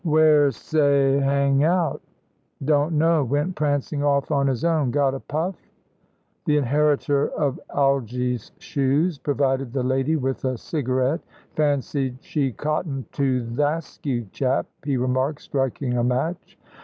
"Wheresey hang out?" "Don't know. Went prancing off on his own. Got a puff?" The inheritor of Algy's shoes provided the lady with a cigarette. "Fancied she cottoned to th' Askew chap," he remarked, striking a match.